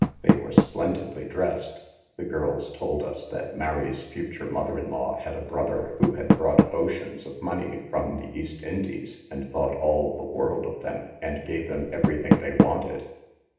They were splendidly dressed. The girls told us that Mary's future mother in law had a brother who had brought oceans of money from the East Indies, and thought all SOME TEMPTATIONS OP CITY LIFE. 189 the world of them, and gave them everything they wanted.